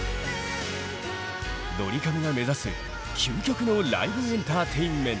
ドリカムが目指す究極のライブエンターテインメント。